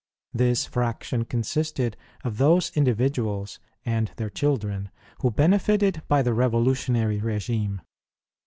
This fraction consisted of those individuals and their children who benefitted by the revolutionary regime.